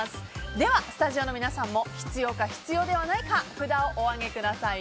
ではスタジオの皆さんも必要か必要ではないか札を上げてください。